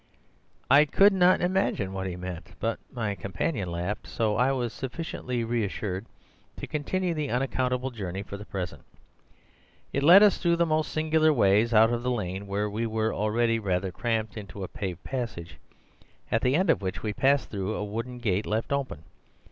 "I could not imagine what he meant, but my companion laughed, so I was sufficiently reassured to continue the unaccountable journey for the present. It led us through most singular ways; out of the lane, where we were already rather cramped, into a paved passage, at the end of which we passed through a wooden gate left open.